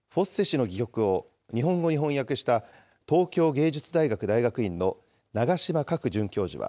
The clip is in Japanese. フォッセ氏の戯曲を日本語に翻訳した東京藝術大学大学院の長島確准教授は。